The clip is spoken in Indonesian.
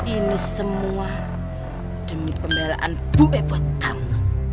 ini semua demi pembelaan buwe buat kamu